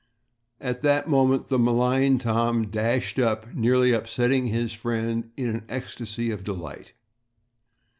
At that moment the maligned Tom dashed up, nearly upsetting his friend in an ecstasy of delight.